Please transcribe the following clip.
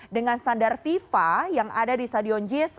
dengan standar fifa yang ada di stadion jis